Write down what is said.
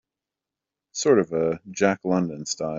Sort of a Jack London style?